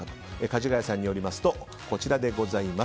かじがやさんによりますとこちらです。